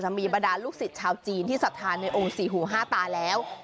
มีบรรดาลูกศิษย์ชาวจีนที่สัทธาในองค์สี่หูห้าตาแล้ว